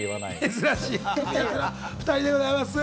珍しい２人でございます。